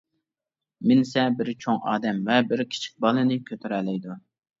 مىنسە بىر چوڭ ئادەم ۋە بىر كىچىك بالىنى كۆتۈرەلەيدۇ.